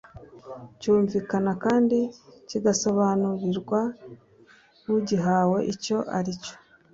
cyumvikana kandi kigasobanurirwa ugihawe Icyo aricyo